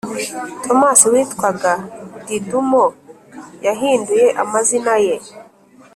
Tomasi witwaga Didumo yahinduye amazina ye